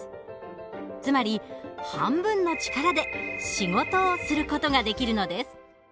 つまり半分の力で仕事をする事ができるのです。